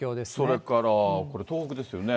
それからこれ、東北ですよね。